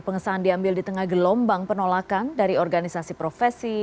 pengesahan diambil di tengah gelombang penolakan dari organisasi profesi